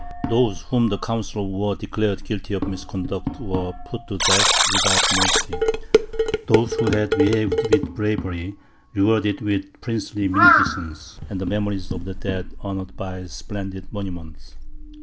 Those whom the council of war declared guilty of misconduct, were put to death without mercy, those who had behaved with bravery, rewarded with princely munificence, and the memory of the dead honoured by splendid monuments.